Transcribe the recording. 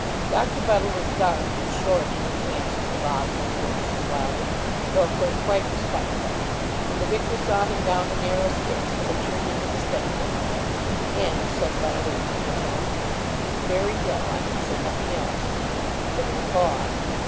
Doctor Buddle was dark and short in his answers to voluble little Mrs. Wylder though, of course, quite respectful and the vicar saw him down the narrow stairs, and they turned into the study for a moment, and, said Buddle, in an under tone 'He's very ill I can say nothing else.' And there was a pause.